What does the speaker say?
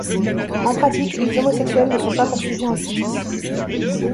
En pratique, les homosexuels ne sont pas poursuivis en justice.